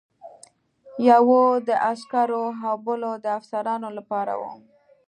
یوه د عسکرو او بله د افسرانو لپاره وه.